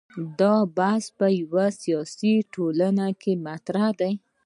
دا بحث په یوه سیاسي ټولنه کې مطرح دی.